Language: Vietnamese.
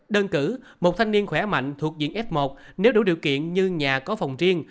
đơn cử một thanh niên khỏe mạnh thuộc diện f một nếu đủ điều kiện như nhà có phòng riêng